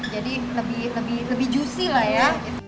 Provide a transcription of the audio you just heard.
jadi lebih juicy lah ya